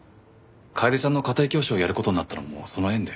楓ちゃんの家庭教師をやる事になったのもその縁で。